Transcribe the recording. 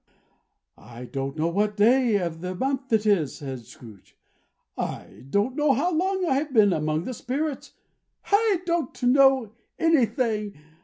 "I don't know what day of the month it is," said Scrooge. "I don't know how long I have been among the Spirits. I don't know anything.